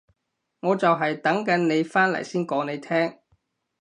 我就係等緊你返嚟先講你聽